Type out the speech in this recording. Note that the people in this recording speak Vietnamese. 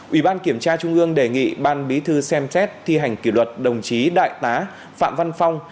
ủy ban kiểm tra trung ương đề nghị ban bí thư xem xét thi hành kỷ luật đồng chí đại tá phạm văn phong